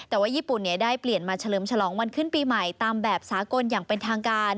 แต่ว่าญี่ปุ่นได้เปลี่ยนมาเฉลิมฉลองวันขึ้นปีใหม่ตามแบบสากลอย่างเป็นทางการ